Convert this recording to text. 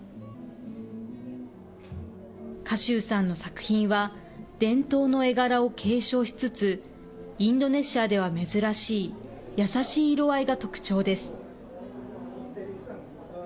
賀集さんの作品は、伝統の絵柄を継承しつつ、インドネシアでは珍しい、優しい色合いが特徴です。